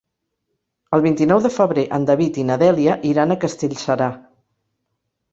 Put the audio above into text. El vint-i-nou de febrer en David i na Dèlia iran a Castellserà.